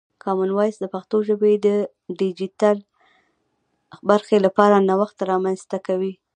کامن وایس د پښتو ژبې د ډیجیټل برخې لپاره نوښت رامنځته کوي.